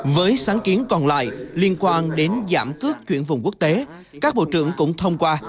với sáng kiến còn lại liên quan đến giảm cước chuyển vùng quốc tế các bộ trưởng cũng thông qua